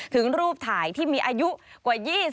ถึงรูปถ่ายที่มีอายุกว่า๒๐